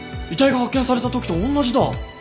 遺体が発見された時と同じだ。